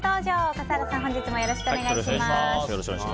笠原さん、本日もよろしくお願いします。